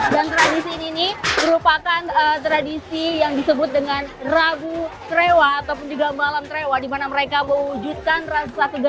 dan tradisi ini merupakan tradisi yang disebut dengan rabu trewa ataupun juga malam trewa dimana mereka mewujudkan trasita kegaduhan hati mereka